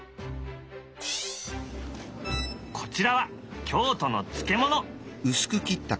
こちらは京都の漬物。